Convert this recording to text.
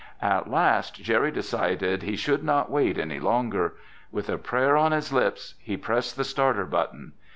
At last Jerry decided he should not wait any longer. With a prayer on his lips, he pressed the starter button.